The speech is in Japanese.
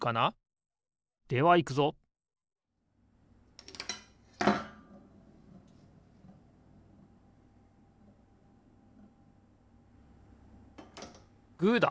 ではいくぞグーだ！